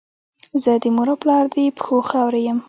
زه د مور او پلار د پښو خاوره یم.